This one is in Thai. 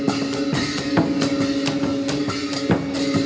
สวัสดีสวัสดี